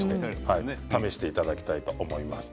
試していただきたいと思います。